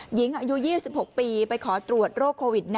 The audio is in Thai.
หญิงอายุ๒๖ปีไปขอตรวจโรคโควิด๑๙